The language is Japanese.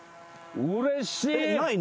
うれしい。